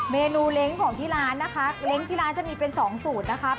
เมนูเล้งของที่ร้านนะคะเล้งที่ร้านจะมีเป็นสองสูตรนะครับ